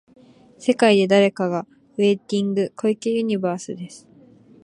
世界で誰かがウェイティング、小池ユニバースです。